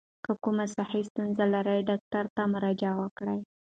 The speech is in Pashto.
که کومه صحي ستونزه لرئ، ډاکټر ته مراجعه وکړئ.